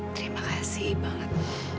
terima kasih banget